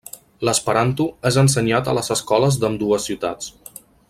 L'esperanto és ensenyat a les escoles d'ambdues ciutats.